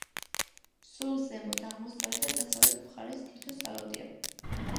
სულ ზემოთ, აღმოსავლეთ და დასავლეთ მხარეს თითო სალოდეა.